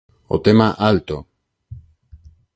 O tema "Alto!